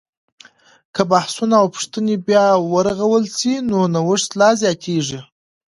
که بحثونه او پوښتنې بیا ورغول سي، نو نوښت لا زیاتیږي.